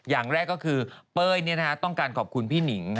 อย่างแรกก็คือเป้ยต้องการขอบคุณพี่หนิง